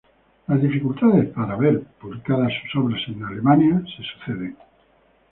Las dificultades para ver publicadas sus obras en Alemania se suceden.